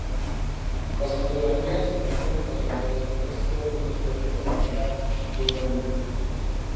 Las fotografías están relacionadas con casi todos los aspectos de la vida de Unamuno.